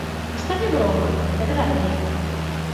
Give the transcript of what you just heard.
¡Está de broma, ¿verdade?!